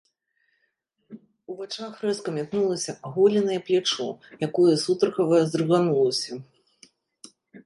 У вачах рэзка мятнулася аголенае плячо, якое сударгава здрыганулася.